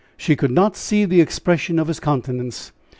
She could not see the expression of his countenance.